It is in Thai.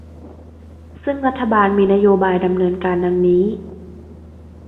ซึ่งรัฐบาลมีนโยบายดำเนินการดังนี้